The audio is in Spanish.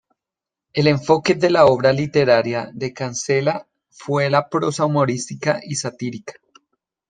El enfoque de la obra literaria de Cancela fue la prosa humorística y satírica.